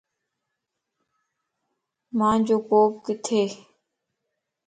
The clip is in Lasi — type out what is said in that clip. مانجو ڪوپ ڪٿيَ